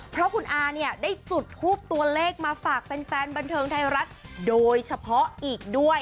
เพราะคุณอาเนี่ยได้จุดทูปตัวเลขมาฝากแฟนบันเทิงไทยรัฐโดยเฉพาะอีกด้วย